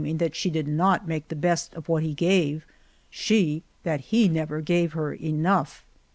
ing that she did not make the best of what he gave, she that he never gave her enough.